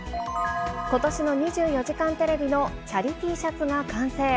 ことしの２４時間テレビのチャリＴシャツが完成。